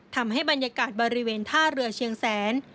ทำให้บรรยากาศบริเวณท่าเรือเชียงแสน